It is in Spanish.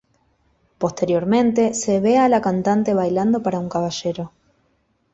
Posteriormente, se ve a la cantante bailando para un caballero.